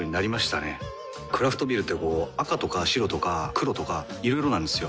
クラフトビールってこう赤とか白とか黒とかいろいろなんですよ。